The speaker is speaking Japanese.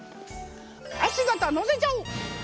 足型のせちゃおう！